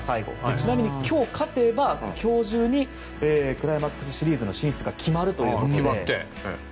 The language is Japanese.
ちなみに今日勝てば今日中にクライマックスシリーズの進出が決まるという。